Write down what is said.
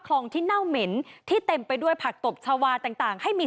คลองที่เน่าเหม็นที่เต็มไปด้วยผักตบชาวาต่างต่างให้มี